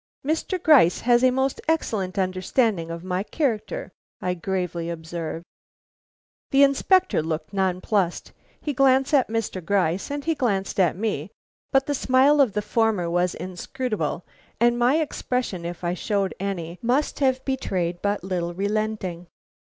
"Mr. Gryce has a most excellent understanding of my character," I gravely observed. The Inspector looked nonplussed. He glanced at Mr. Gryce and he glanced at me, but the smile of the former was inscrutable, and my expression, if I showed any, must have betrayed but little relenting.